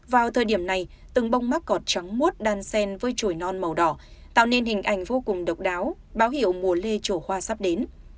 vào thời điểm này từng bông mắc cọp trắng muốt đan sen với trổi non màu đỏ tạo nên hình ảnh vô cùng độc đáo báo hiểu mùa lê chỗ hoa sắp đến